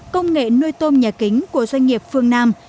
công nghệ nuôi tôm nhà kính của doanh nghiệp phương nam